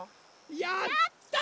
やった！